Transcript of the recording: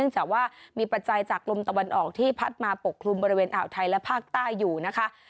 จากว่ามีปัจจัยจากลมตะวันออกที่พัดมาปกคลุมบริเวณอ่าวไทยและภาคใต้อยู่นะคะ